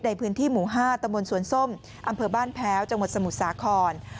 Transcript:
ในพื้นที่หมู่๕ตำบลสวนส้มอำเภอบ้านแพ้วจังหวัดสมุทรสาคร